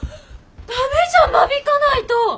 駄目じゃん間引かないと！